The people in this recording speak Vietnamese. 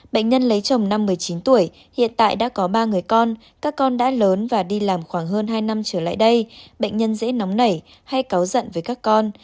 bệnh nhân lấy chồng năm một mươi chín tuổi hiện tại đã có ba người con các con đã lớn và đi làm khoảng hơn hai năm trở lại đây bệnh nhân dễ nóng nảy hay cáo giận với các con